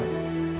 sisi putih gimana